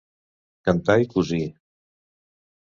Cantar i cosir.